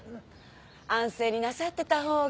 安静になさってた方が。